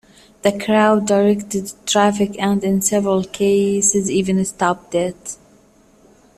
The crowd directed traffic and in several cases even stopped it.